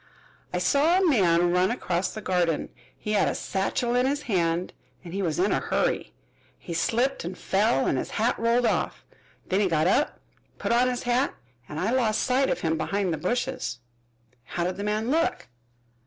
"I saw a man run across the garden. He had a satchel in his hand and he was in a hurry. He slipped and fell and his hat rolled off. Then he got up, put on his hat, and I lost sight of him behind the bushes." "How did the man look?"